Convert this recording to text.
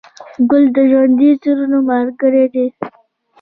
ګل د ژوندي زړونو ملګری دی.